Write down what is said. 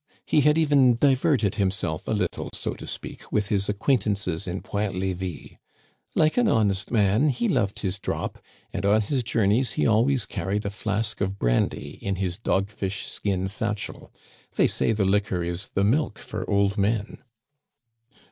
He had even diverted himself a little, so to speak, with his acquaintances in Point Levis. Like an honest man, he loved his drop ; and on his journeys he always carried a flask of brandy in his dogfish skin satchel. They say the liquor is the milk for old men."